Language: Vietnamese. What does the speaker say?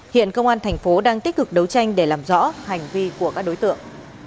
hiện công an thành phố đang tích cực đấu tranh để làm rõ hành vi của các đối tượng